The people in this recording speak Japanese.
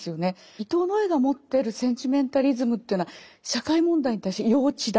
伊藤野枝が持ってるセンチメンタリズムというのは社会問題に対して幼稚だ